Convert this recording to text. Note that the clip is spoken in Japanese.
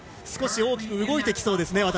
少し大きく動いてきそうですね。